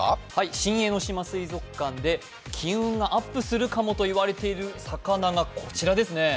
新江ノ島水族館で金運がアップするかもと言われている魚がこちらですね。